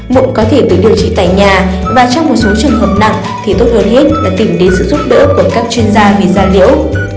một có thể phải điều trị tại nhà và trong một số trường hợp nặng thì tốt hơn hết là tìm đến sự giúp đỡ của các chuyên gia vì da liễu